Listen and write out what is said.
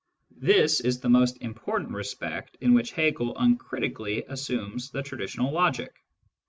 This is the most important respect in which Hegel uncritically assumes the traditional logic.